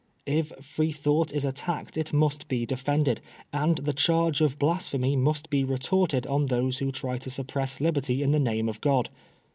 If Freethought is attacked it must be defended, and the charge of Blasphemy must be retorted on those who try to suppress libertv in the name of God.